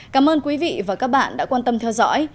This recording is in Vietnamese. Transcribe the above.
cảm ơn quý vị và các bạn đã quan tâm theo dõi